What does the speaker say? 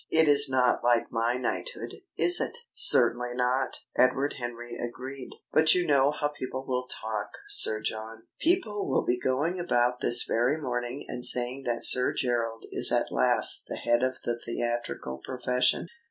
It is not like my knighthood, is it?" "Certainly not," Edward Henry agreed. "But you know how people will talk, Sir John. People will be going about this very morning and saying that Sir Gerald is at last the head of the theatrical profession.